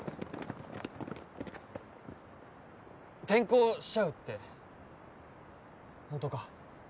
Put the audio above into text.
転校しちゃうって本当か？